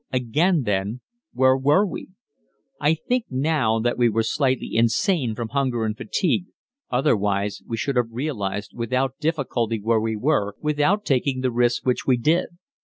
Again then, where were we? I think now that we were slightly insane from hunger and fatigue, otherwise we should have realized without difficulty where we were, without taking the risk which we did.